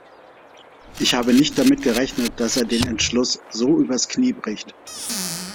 Ich habe nicht damit gerechnet, dass er den Entschluss so übers Knie bricht.